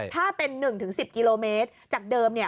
ถ้าเป็น๑๑๐กิโลเมตรจากเดิม